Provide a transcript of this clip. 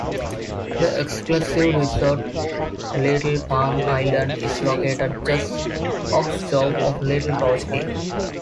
The exclusive resort, Little Palm Island, is located just offshore of Little Torch Key.